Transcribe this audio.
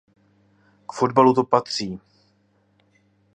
K fotbalu to patří.